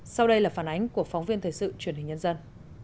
sau đây là phản ánh của phóng viên thời sự truyền hình nhân dân